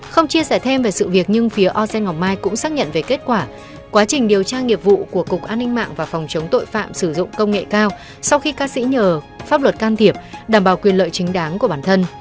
không chia sẻ thêm về sự việc nhưng phía osen ngọc mai cũng xác nhận về kết quả quá trình điều tra nghiệp vụ của cục an ninh mạng và phòng chống tội phạm sử dụng công nghệ cao sau khi ca sĩ nhờ pháp luật can thiệp đảm bảo quyền lợi chính đáng của bản thân